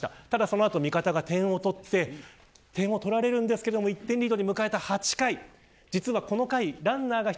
ただ、そのあと味方が点を取って点を取られるんですが１点リードで迎えた８回。